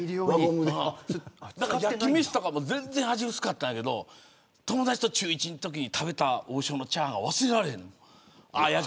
焼き飯とかも全然味薄かったんやけど友達と中１のときに食べた王将のチャーハンが忘れられへん。